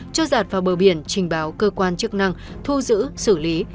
cho giặt vào bờ biển trình báo cơ quan chức năng thu giữ xử lý